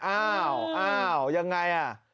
อ้าวยังไงอ่ะ